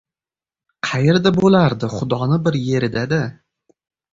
— Qayerda bo‘lardi — xudoni bir yerida-da.